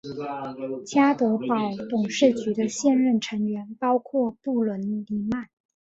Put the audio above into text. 家得宝董事局的现任成员包括布伦尼曼。